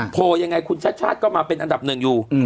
โผล่ยังไงคุณชัดก็มาเป็นอันดับหนึ่งอยู่